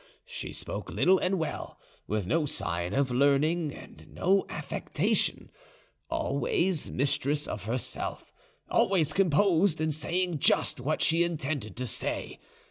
She spoke little and well, with no sign of learning and no affectation, always, mistress of herself, always composed and saying just what she intended to say.